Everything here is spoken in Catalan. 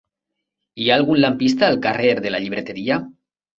Hi ha algun lampista al carrer de la Llibreteria?